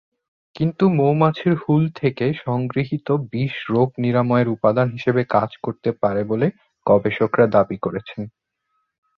কিন্তু মৌমাছির হুল থেকে সংগৃহীত বিষ রোগ নিরাময়ের উপাদান হিসাবে কাজ করতে পারে বলে গবেষকরা দাবী করেছেন।